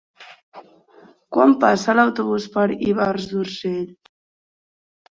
Quan passa l'autobús per Ivars d'Urgell?